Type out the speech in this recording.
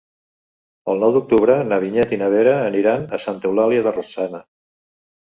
El nou d'octubre na Vinyet i na Vera aniran a Santa Eulàlia de Ronçana.